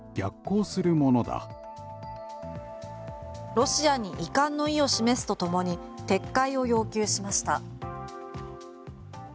ロシアに遺憾の意を示すとともに撤回を要求しました。